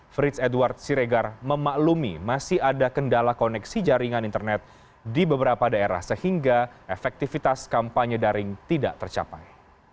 fritz edward siregar memaklumi masih ada kendala koneksi jaringan internet di beberapa daerah sehingga efektivitas kampanye daring tidak tercapai